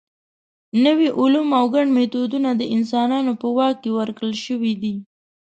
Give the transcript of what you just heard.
نوي علوم او ګڼ میتودونه د انسانانو په واک کې ورکړل شوي دي.